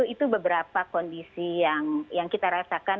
itu beberapa kondisi yang kita rasakan